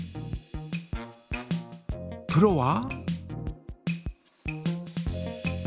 プロは？